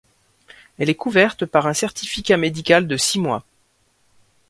Elle est couverte par un certificat médical de six mois.